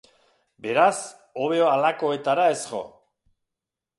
Beraz, hobe halakoetara ez jo.